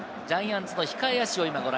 ジャイアンツの控え